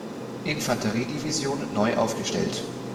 Infanteriedivision neu aufgestellt.